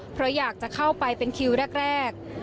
เพราะอยากจะเข้าไปเป็นคิวแรก